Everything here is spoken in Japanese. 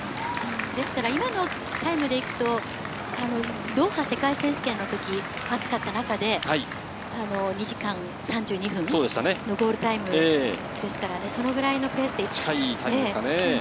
今のタイムで行くとドーハ世界選手権の時、暑かった中で、２時間３２分のゴールタイムですから、そのぐらいのペースですかね。